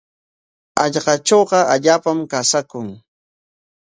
Hallqatrawqa allaapam qasaakun.